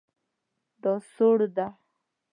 دا سوړ ده